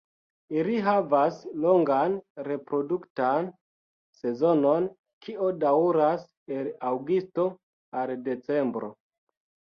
Ili havas longan reproduktan sezonon, kio daŭras el aŭgusto al decembro.